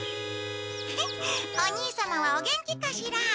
フフお兄様はお元気かしら？